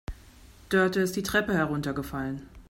Dörte ist die Treppe heruntergefallen.